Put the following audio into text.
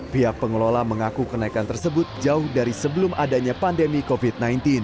pihak pengelola mengaku kenaikan tersebut jauh dari sebelum adanya pandemi covid sembilan belas